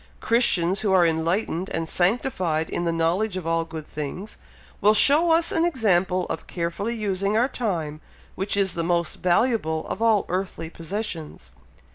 Christians who are enlightened and sanctified in the knowledge of all good things, will show us an example of carefully using our time, which is the most valuable of all earthly possessions.